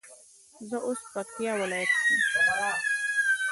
زه اوس پکتيا ولايت کي يم